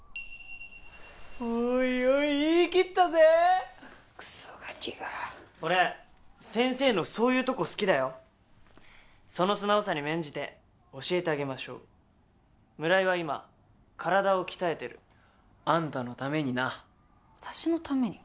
おいおい言い切ったぜえクソガキが俺先生のそういうとこ好きだよその素直さに免じて教えてあげましょう村井は今体を鍛えてるあんたのためにな私のために？